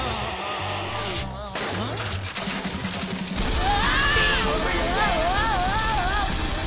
うわ！